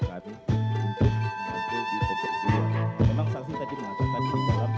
perintah jadi ada jadwal